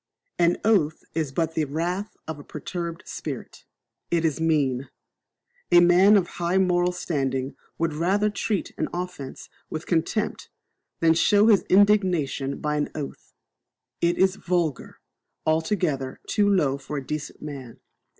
An oath is but the wrath of a perturbed spirit. It is mean. A man of high moral standing would rather treat an offence with contempt than show his indignation by an oath. It is vulgar, altogether too low for a decent man.